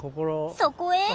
そこへ。